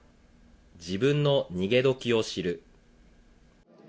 自分の逃げ時を知る。